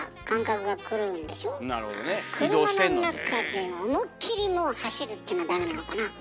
車の中で思いっきりもう走るっていうのはダメなのかな。